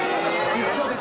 一緒です！